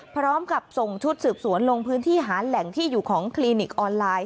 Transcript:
พร้อมกับส่งชุดสืบสวนลงพื้นที่หาแหล่งที่อยู่ของคลินิกออนไลน์